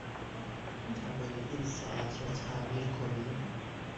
می توانید این ساعت را تعمیر کنید؟